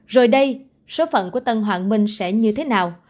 rồi đây số phận của tân hoàng minh sẽ như thế nào